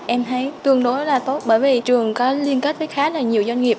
em thấy tương đối là tốt bởi vì trường có liên kết với khá là nhiều doanh nghiệp